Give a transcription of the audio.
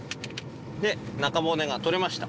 で中骨が取れました。